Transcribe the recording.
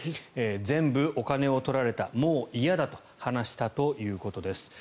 全部お金を取られた、もう嫌だと話したということです。